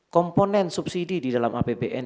komponen subsidi di dalam apbn